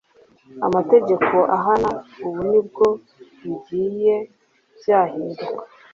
amategeko ahana, ubu nibwo bigiye byahinduka.